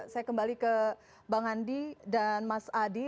saya kembali ke bang andi dan mas adi